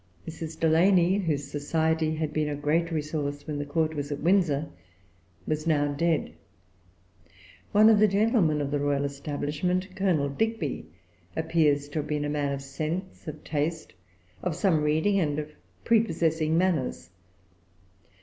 Mrs. Delany, whose society had been a great resource when the Court was at Windsor, was now dead. One of the gentlemen of the royal establishment, Colonel Digby, appears to have been a man of sense, of taste, of some reading, and of prepossessing manners.